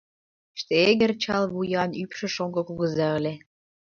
Штеегер чал вуян, ӱпшӧ шоҥго кугыза ыле.